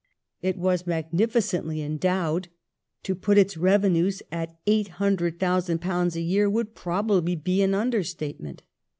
It was magnificently endowed. To put its revenues at Ireland £800,000 a year would probably be an under statement.